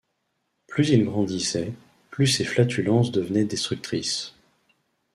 Plus il grandissait, plus ses flatulences devenaient destructrices.